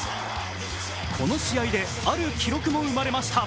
この試合である記録も生まれました。